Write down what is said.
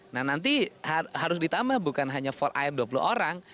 nah nanti harus ditambah bukan hanya for air dua puluh orang